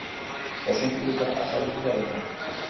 Oso hunkituta azaldu dira denak.